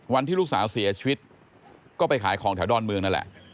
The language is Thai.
วันที่ลูกสาวเสียชีวิตก็ไปขายของแถวดอนเมืองนั่นแหละ